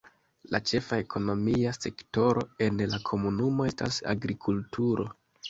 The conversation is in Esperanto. La ĉefa ekonomia sektoro en la komunumo estas agrikulturo.